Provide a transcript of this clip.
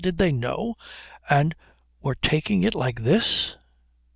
Did they know? And were taking it like this?